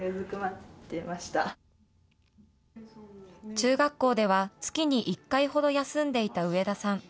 中学校では、月に１回ほど休んでいた上田さん。